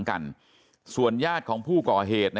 กระดิ่งเสียงเรียกว่าเด็กน้อยจุดประดิ่ง